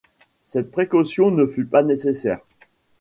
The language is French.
Cette précaution ne fut pas nécessaire.